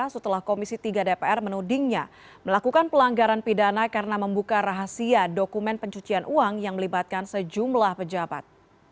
setelah komisi tiga dpr menudingnya melakukan pelanggaran pidana karena membuka rahasia dokumen pencucian uang yang melibatkan sejumlah pejabat